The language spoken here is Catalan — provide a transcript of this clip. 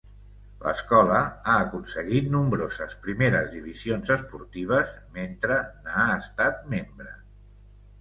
L'escola ha aconseguit nombroses primeres divisions esportives mentre n'ha estat membre.